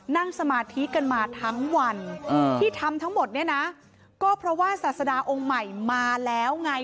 นั่งสมาธิกันมาทั้งวันที่ทำทั้งหมดเนี่ยนะก็เพราะว่าศาสดาองค์ใหม่มาแล้วไง